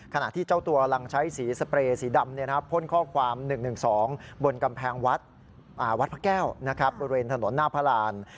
ขณะที่เจ้าตัวกำลังใช้สีสเปรย์สีดำพ่นข้อความ๑๑๒บนกำแพงวัดพระแก้วบริเวณถนนหน้าพระราน